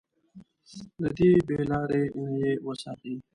له دې بې لارۍ نه يې وساتي.